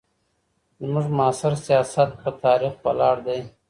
زموږ معاصر سیاست په تاریخ ولاړ دی.